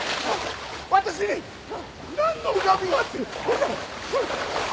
私に何の恨みがあって。